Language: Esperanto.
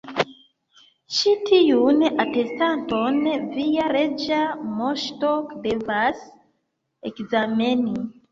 Ĉi tiun atestanton via Reĝa Moŝto devas ekzameni.